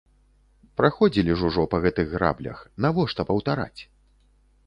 Праходзілі ж ужо па гэтых граблях, навошта паўтараць?